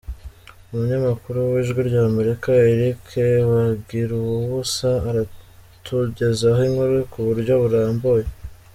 Umunyamakuru w’Ijwi ry’Amerika Eric Bagiruwubusa aratugezaho inkuru ku buryo burambuye.